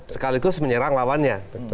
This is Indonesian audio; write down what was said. sekaligus menyerang lawannya